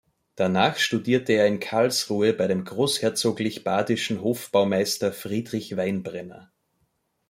Danach studierte er in Karlsruhe bei dem großherzoglich badischen Hofbaumeister Friedrich Weinbrenner.